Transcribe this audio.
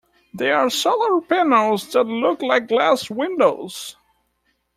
There are solar panels that look like glass windows.